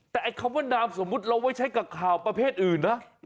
แต่ไอ้คำว่านามสมมุติเราไว้ใช้กับข่าวประเภทอื่นนะ